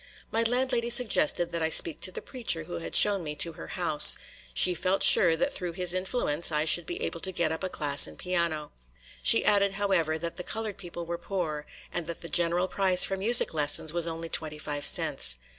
My landlady suggested that I speak to the preacher who had shown me her house; she felt sure that through his influence I should be able to get up a class in piano. She added, however, that the colored people were poor, and that the general price for music lessons was only twenty five cents.